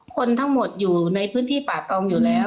คนทั้งหมดอยู่ในพื้นที่ป่าตองอยู่แล้ว